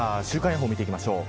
予報を見ていきましょう。